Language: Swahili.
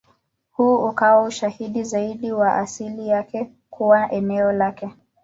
Huu ukawa ushahidi zaidi wa asili yake kuwa eneo lake.